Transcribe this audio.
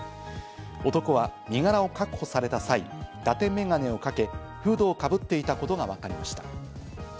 男は身柄を確保された際、だて眼鏡をかけ、フードをかぶっていたことがわかりました。